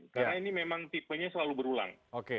karena ini memang tipenya selalu berulang